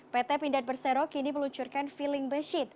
pt pindad bersero kini meluncurkan feeling besit